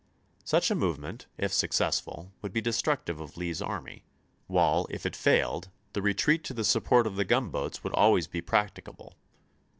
Such a movement, if successful, would be destructive of Lee's army; while if it failed, the retreat to the support of the gunboats would always be practicable.